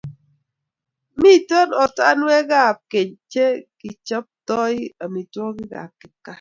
mito ortinwekab keny che kichoptoi amitwokikab kipkaa